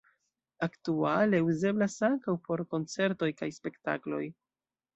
Aktuale uzeblas ankaŭ por koncertoj kaj spektakloj.